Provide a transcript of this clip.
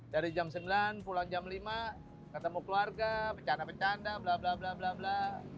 dari jam sembilan pulang jam lima ketemu keluarga bercanda bercanda bla bla bla bla bla